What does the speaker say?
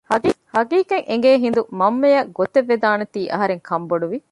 ހަޤީޤަތް އެނގޭ ހިނދު މަންމައަށް ގޮތެއްވެދާނެތީ އަހަރެން ކަންބޮޑުވި